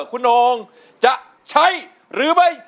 คุณโหนงจะใช้หรือไม่ใช้